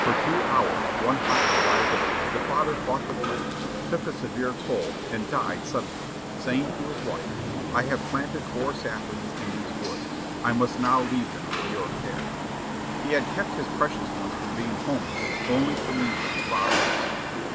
For two hours one hot July day the father fought the flames, took a severe cold, and died suddenly, saying to his wife, "I have planted four saplings in these woods; I must now leave them to your care." He had kept his precious ones from being homeless, only to leave them fatherless.